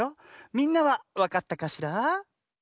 みんなはわかったかしら？